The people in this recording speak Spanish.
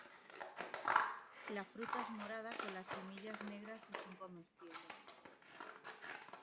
La fruta es morada con las semillas negras y son comestibles.